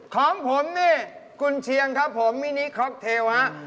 ของผมนี่คุณเชียงครับผมมินิคอปเทลฮะ